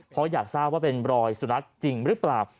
เพราะอยากทราบว่าเป็นรอยสุนัขจริงหรือเปล่า